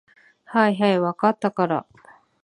はいはい、分かったから。